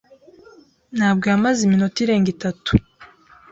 Ntabwo yamaze iminota irenga itatu.